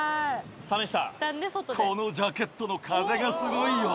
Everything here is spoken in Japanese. このジャケットの風がすごいよ。